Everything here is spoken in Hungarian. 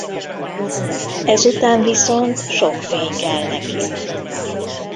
Ezután viszont sok fény kell neki.